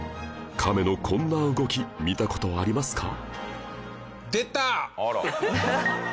カメのこんな動き見た事ありますか？